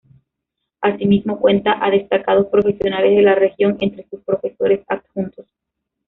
Asimismo, cuenta a destacados profesionales de la región entre sus profesores adjuntos.